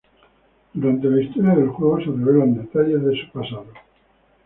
Durante la historia del juego se revelan detalles de su pasado.